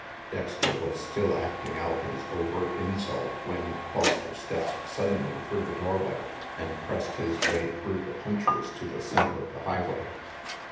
Dexter was still acting out his overt insult when Foster stepped suddenly through the doorway and pressed his way through the punchers to the center of the highway.